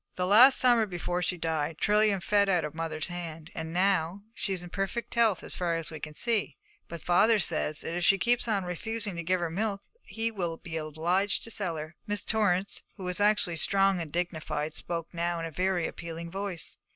The last summer before she died, Trilium fed out of mother's hand, and now she's in perfect health as far as we can see, but father says that if she keeps on refusing to give her milk he will be obliged to sell her.' Miss Torrance, who was usually strong and dignified, spoke now in a very appealing voice.